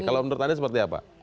kalau menurut anda seperti apa